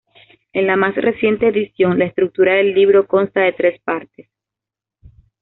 En la más reciente edición, la estructura del libro consta de tres partes.